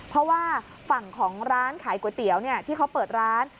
เพราะว่าฝั่งของร้านขายก๋วยเตี๋ยวที่เขาเปิดร้าน